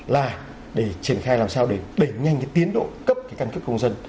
là để triển khai làm sao để đẩy nhanh cái tiến độ cấp cái căn cước công dân